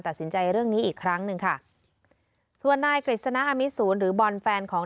ตัดสินใจเรื่องนี้อีกครั้งหนึ่งค่ะส่วนนายกฤษณะอมิสูรหรือบอลแฟนของ